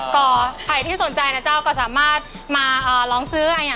ก็ใครที่สนใจนะเจ้าก็สามารถมาลองซื้อ